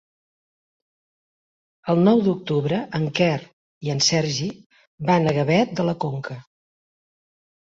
El nou d'octubre en Quer i en Sergi van a Gavet de la Conca.